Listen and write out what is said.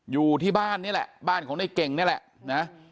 อยู่ที่บ้านนี่แหละบ้านของในเก่งนี่แหละนะ